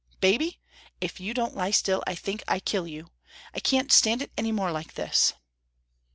"Baby! if you don't lie still, I think I kill you. I can't stand it any more like this."